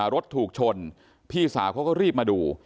รถถูกชนส่วนพี่สาวรีบมาดู